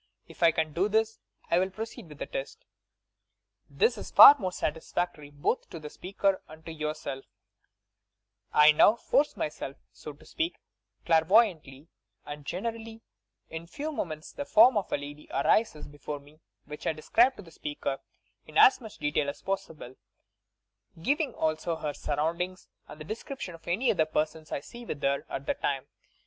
If I can do this I will proceed with the test.' This ia far more satisfactory both to the speaker and to yourself, I now force myself, so to speak, clairvoyantly ; and Senerally in a few moments the form of a lady arises before me which I describe to the speaker in as ranch detail as possible, giving also her surroimdings and the description of any other persons I see with her at the time.